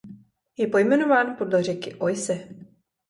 Je pojmenován podle řeky Oise.